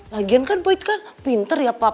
lagian kan boy itu kan pinter ya papa